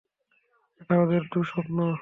এটা ওদের দুঃস্বপ্ন।